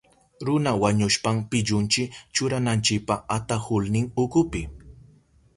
Runa wañushpan pillunchi churananchipa atahulnin ukupi.